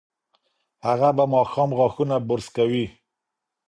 هغه به ماښام غاښونه برس کوي.